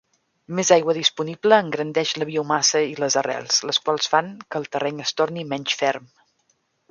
Més aigua disponible engrandeix la biomassa i les arrels, les quals fan que el terreny es torni menys ferm.